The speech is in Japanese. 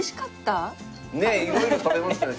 いろいろ食べましたね